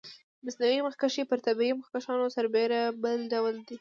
مصنوعي مخکش پر طبیعي مخکشونو سربېره بل ډول دی.